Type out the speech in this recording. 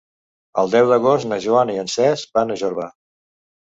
El deu d'agost na Joana i en Cesc van a Jorba.